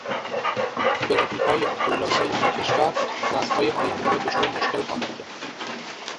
بدهیهای غولآسایآن کشور نسلهای آینده را دچار مشکل خواهد کرد.